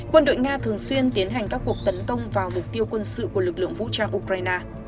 quân đội nga thường xuyên tiến hành các cuộc tấn công vào mục tiêu quân sự của lực lượng vũ trang ukraine